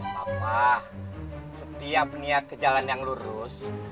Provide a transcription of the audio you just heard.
papa setiap niat ke jalan yang lurus